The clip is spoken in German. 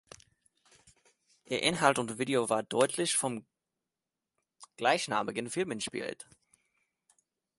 Ihr Inhalt und Video war deutlich vom gleichnamigen Film inspiriert.